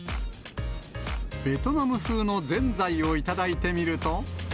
ベトナム風のぜんざいを頂いてみると。